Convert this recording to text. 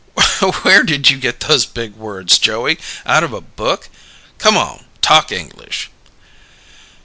"Where'd you get those big words, Joey? Out of a book? Come on talk English!"